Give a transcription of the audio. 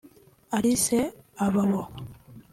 Alice Ababo